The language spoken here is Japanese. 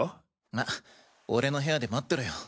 まぁ俺の部屋で待ってろよ。